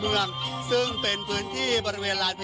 มันอาจจะเป็นแก๊สธรรมชาติค่ะ